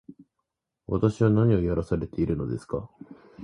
私は何をやらされているのですか